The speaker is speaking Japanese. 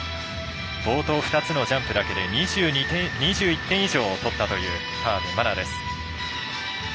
冒頭２つのジャンプだけで２１点以上とったという河辺愛菜です。